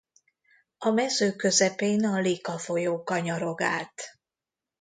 A mező közepén a Lika folyó kanyarog át.